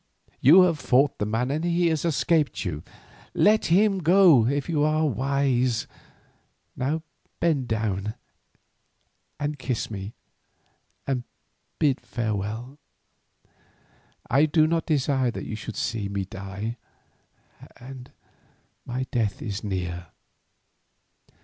You have fought the man and he has escaped you. Let him go if you are wise. Now bend down and kiss me, and bid me farewell. I do not desire that you should see me die, and my death is near.